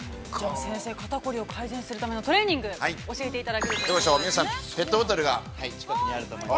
◆先生、肩凝りを改善するためのトレーニングを、教えていただけるということで。